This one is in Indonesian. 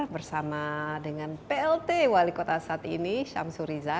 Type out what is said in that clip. bersama dengan plt wali kota saat ini syamsuriza